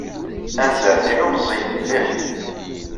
Anzaren-inu meẓẓiyit mliḥ.